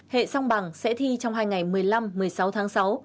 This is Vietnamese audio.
hệ song bằng sẽ thi trong hai ngày một mươi năm một mươi sáu tháng sáu